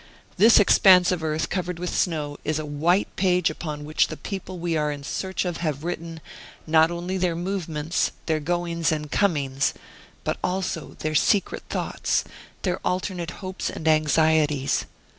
This expanse of earth covered with snow is a white page upon which the people we are in search of have written, not only their movements, their goings, and comings, but also their secret thoughts, their alternate hopes and anxieties.